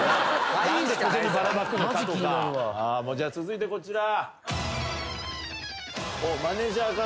じゃあ続いてこちら。